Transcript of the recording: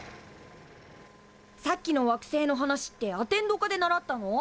さっきの惑星の話ってアテンド科で習ったの？